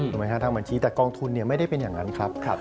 ทางบัญชีแต่กองทุนไม่ได้เป็นอย่างนั้นครับ